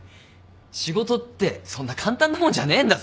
仕事ってそんな簡単なもんじゃねえんだぞ。